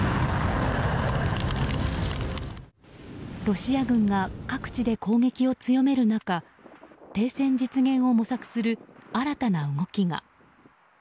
ロシア軍が各地で攻撃を強める中停戦実現を模索する新たな動きが。